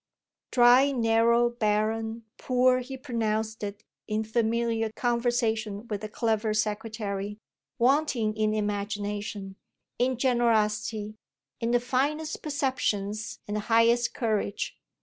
Dry, narrow, barren, poor he pronounced it in familiar conversation with the clever secretary; wanting in imagination, in generosity, in the finest perceptions and the highest courage.